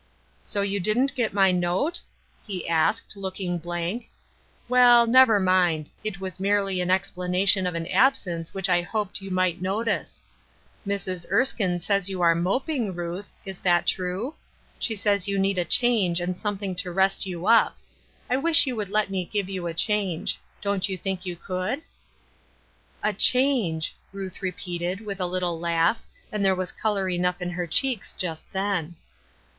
" So you didn't get my note? " he asked, look ing blank. " Well, never mind ; it was merely an explanation of an absence which I hoped you might notice. Mrs. Ersldne says you are Bests, 241 mopiDg, Ruth. Is it true ? She says you ueed a change and something to rest you up. I wish you would let me give you a change. Don't you think you could ?"" A change I " Ruth repeated, with a little laugh, and there was color enough in her chet^.ks just then.